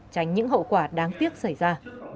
tránh những hậu quả đáng tiếc xảy ra